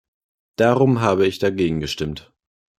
Darum habe ich dagegen gestimmt.